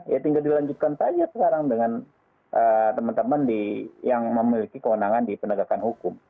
ya tinggal dilanjutkan saja sekarang dengan teman teman yang memiliki kewenangan di penegakan hukum